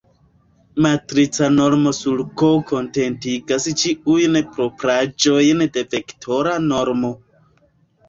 Matrica normo sur "K" kontentigas ĉiujn propraĵojn de vektora normo.